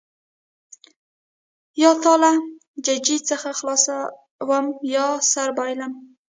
یا تا له ججې څخه خلاصوم یا سر بایلم.